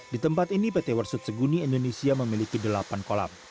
di tempat ini pt warsut seguni indonesia memiliki delapan kolam